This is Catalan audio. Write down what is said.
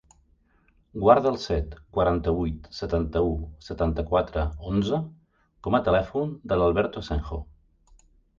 Guarda el set, quaranta-vuit, setanta-u, setanta-quatre, onze com a telèfon de l'Alberto Asenjo.